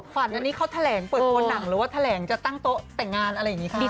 ขวัญอันนี้เขาแถลงเปิดตัวหนังหรือว่าแถลงจะตั้งโต๊ะแต่งงานอะไรอย่างนี้ครับ